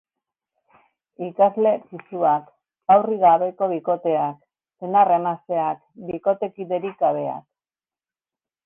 Ikasle pisuak, haurrik gabeko bikoteak, senar-emazteak, bikotekiderik gabeak.